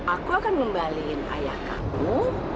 aku akan membalin ayah kamu